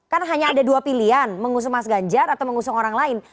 kan hanya ada dua pilihan mengusung mas ganjar atau mengusung orang lain